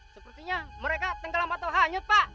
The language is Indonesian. sepertinya mereka tenggelam atau hanyut pak